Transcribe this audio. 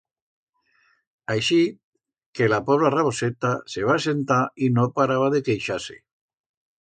Aixit que la pobra Raboseta se va asentar y no paraba de queixar-se.